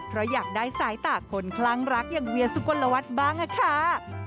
เพราะอยากได้สายตาคนคลั่งรักอย่างเวียสุกลวัฒน์บ้างค่ะ